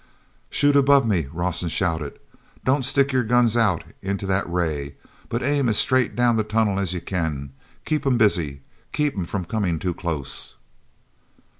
"Shoot above me!" Rawson shouted. "Don't stick your guns out into that ray, but aim as straight down the tunnel as you can. Keep 'em busy. Keep 'em from coming too close."